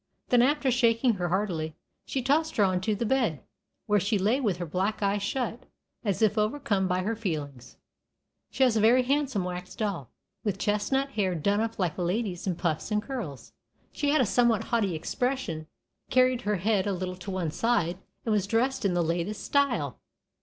Then, after shaking her heartily, she tossed her on to the bed, where she lay with her black eyes shut, as if overcome by her feelings. She was a very handsome wax doll, with chestnut hair done up like a lady's in puffs and curls. She had a somewhat haughty expression, carried her head a little to one side, and was dressed in the "latest style."